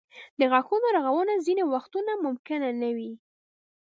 د غاښونو رغونه ځینې وختونه ممکنه نه وي.